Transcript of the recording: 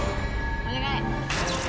お願い。